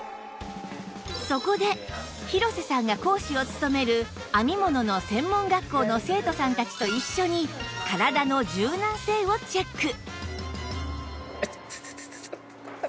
そこで広瀬さんが講師を務める編み物の専門学校の生徒さんたちと一緒に体の柔軟性をチェック